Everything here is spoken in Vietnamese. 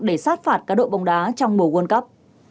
để sát phạt cá độ bóng đá trong mùa world cup